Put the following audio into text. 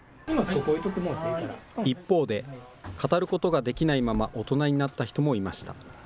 一方で、語ることができないまま大人になった人もいました。